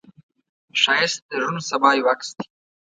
ښایست د روڼ سبا یو عکس دی